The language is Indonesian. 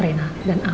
rena dan al